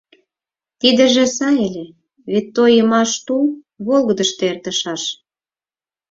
Тидыже сай ыле — вет тойымаш тул волгыдышто эртышаш.